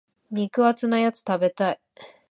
肉厚なやつ食べたい。